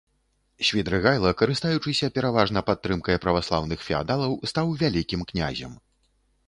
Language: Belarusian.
Свідрыгайла, карыстаючыся пераважна падтрымкай праваслаўных феадалаў, стаў вялікім князем.